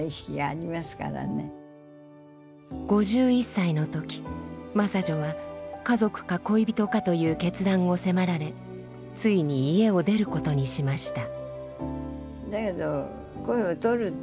５１歳の時真砂女は家族か恋人かという決断を迫られついに家を出ることにしました。